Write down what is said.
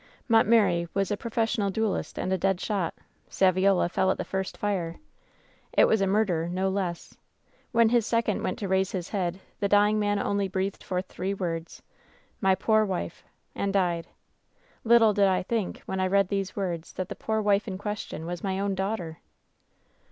Montmeri was a professional duelist and a dead shot. Saviola fell at the first fire. It was a mur der — ^no less. When his second went to raise his head the dying man only breathed forth three words — "My poor wife" — and died. Little did I think when I read these words that the poor wife in question was my own daughter.'